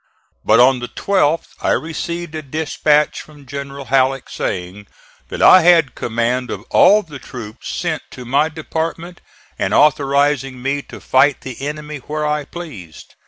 But on the 12th I received a dispatch from General Halleck saying that I had command of all the troops sent to my department and authorizing me to fight the enemy where I pleased.